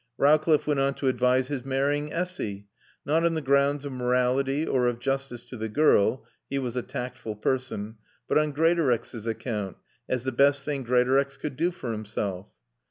Rowcliffe went on to advise his marrying Essy, not on the grounds of morality or of justice to the girl (he was a tactful person), but on Greatorex's account, as the best thing Greatorex could do for himself.